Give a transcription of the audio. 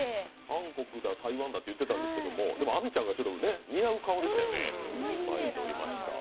韓国だ、台湾だって言ってましたけど亜美ちゃんが似合う顔でしたよね。